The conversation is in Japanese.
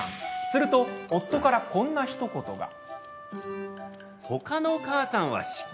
すると、夫からこんなひと言が。